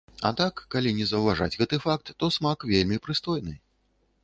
А так, калі не заўважаць гэты факт, то смак вельмі прыстойны.